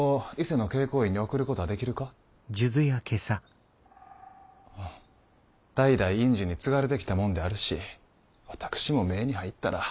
代々院主に継がれてきたもんであるし私も目に入ったら後ろ髪を引かれる。